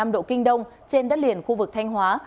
một trăm linh năm năm độ kinh đông trên đất liền khu vực thanh hóa